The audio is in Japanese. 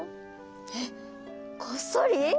えっこっそり？